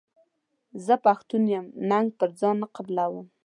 زه پښتون یم ننګ پر ځان نه قبلووم.